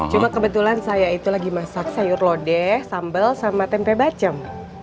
cuma kebetulan saya itu lagi masak sayur lodeh sambal sama tempe bacem